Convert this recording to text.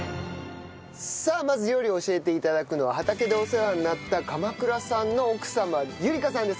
さあまず料理を教えて頂くのは畑でお世話になった鎌倉さんの奥様由莉香さんです。